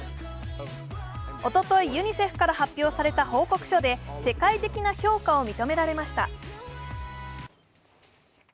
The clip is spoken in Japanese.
おととい、ユニセフから発表された報告書で世界的な評価を認められました。